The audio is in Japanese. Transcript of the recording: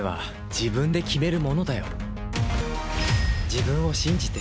自分を信じて。